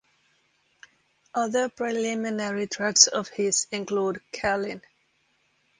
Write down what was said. Other preliminary tracks of his include "Callin".